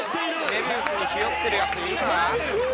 「愛美愛主にひよってるやついるか？」